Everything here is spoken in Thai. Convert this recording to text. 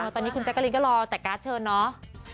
ตอนนี้คุณแจ๊กกะลินก็รอแต่การ์ดเชิญเนาะ